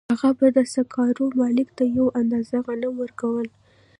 هغه به د سکارو مالک ته یوه اندازه غنم ورکول